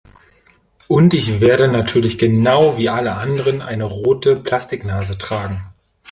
Und ich werde natürlich genau wie alle anderen eine rote Plastiknase tragen.